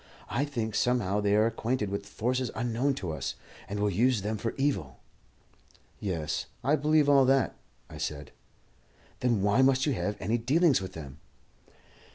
I think somehow they are acquainted with forces unknown to us, and will use them for evil." "Yes, I believe all that," I said. "Then why must you have any dealings with them?"